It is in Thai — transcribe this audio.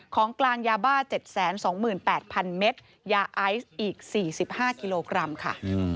ของกลางยาบ้า๗๒๘๐๐๐เมตรยาไอซ์อีก๔๕กิโลกรัมค่ะ